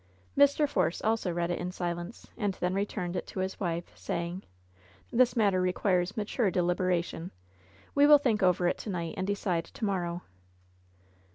Mr. Force also read it in silence, and then returned it to his wife, saying: "This matter requires mature deliberation. We will think over it to night, and decide to morrow.